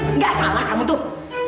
enggak salah kamu tuh